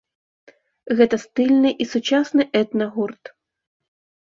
Гэта стыльны і сучасны этна-гурт.